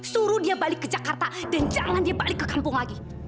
suruh dia balik ke jakarta dan jangan dia balik ke kampung lagi